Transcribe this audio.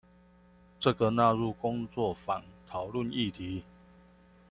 這個納入工作坊討論議題